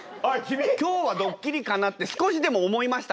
今日はドッキリかなって少しでも思いましたか？